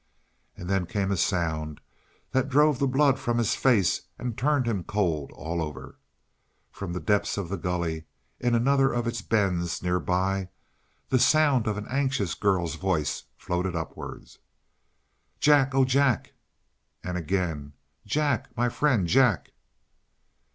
And then came a sound that drove the blood from his face and turned him cold all over. From the depths of the gully, in another of its bends nearby, the sound of an anxious girl's voice floated upward. "Jack! Oh Jack!" And again: "Jack my friend Jack!"